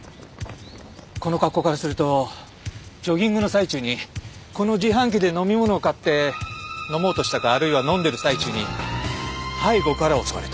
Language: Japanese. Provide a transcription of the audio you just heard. この格好からするとジョギングの最中にこの自販機で飲み物を買って飲もうとしたかあるいは飲んでる最中に背後から襲われた。